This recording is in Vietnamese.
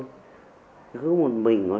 chỉ có một mình mà chị không dám điện cho chúng tôi